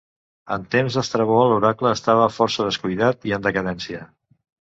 En temps d'Estrabó l'oracle estava força descuidat i en decadència.